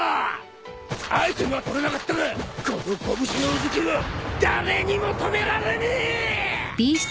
アイテムは取れなかったがこの拳のうずきは誰にも止められねぇ！